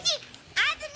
あずみ！！